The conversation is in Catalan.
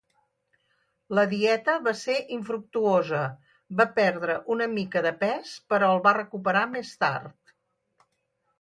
La dieta va ser infructuosa; va perdre una mica de pes però el va recuperar més tard.